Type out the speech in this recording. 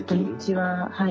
はい。